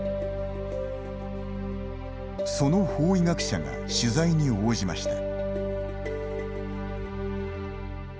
その法医学者が取材に応じました。